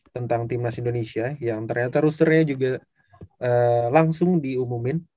tentang tim nas indonesia yang ternyata rusernya juga langsung diumumin